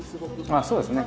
あっそうですね。